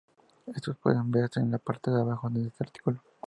Estos pueden verse en la parte de abajo de este artículo.